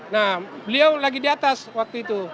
nah beliau lagi di atas waktu itu